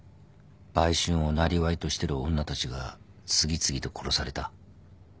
売春をなりわいとしてる女たちが次々と殺された。